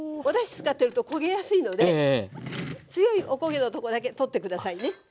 おだし使ってると焦げやすいので強いおこげのとこだけ取ってくださいね。